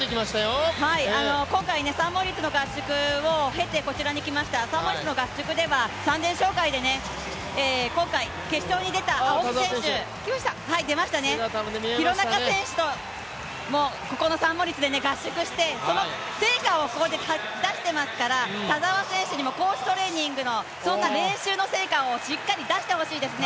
今回、合宿を経てこちらに来ました、サンモリッツの合宿では３０００障害で今回、決勝に出た青木選手、廣中選手ともサンモリッツで合宿して、その成果をここで出していますから、田澤選手にも高地トレーニングの練習の成果をしっかり出してほしいですね。